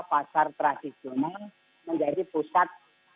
pasar tradisional menjadi pusat